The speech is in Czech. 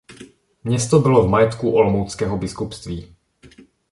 Město bylo v majetku olomouckého biskupství.